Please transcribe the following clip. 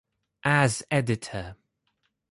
As Editor